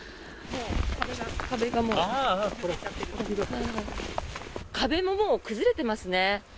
壁ももう崩れていますね。